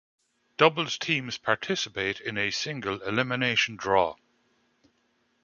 Doubles teams participate in a single elimination draw.